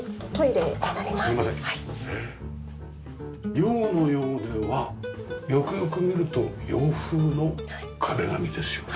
洋のようで和よくよく見ると洋風の壁紙ですよね。